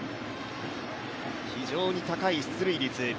非常に高い出塁率